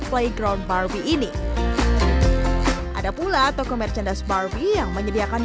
playground barbie ini ada pula toko merchandise barbie yang menyediakan